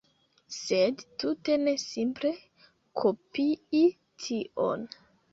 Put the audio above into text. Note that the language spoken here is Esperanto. Sed tute ne simple kopii tion